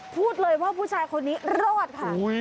พูดเลยว่าผู้ชายคนนี้รอดค่ะ